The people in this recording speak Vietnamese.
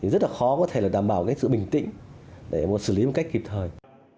rất là khó có thể là đảm bảo cái sự bình tĩnh để sử lý một cách kịp thời